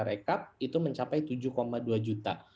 rekap itu mencapai tujuh dua juta